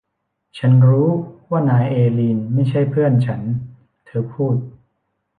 ฉันรู้ว่านายเอลีนไม่ใช่เพื่อนฉันเธอพูด